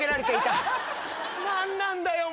何なんだよ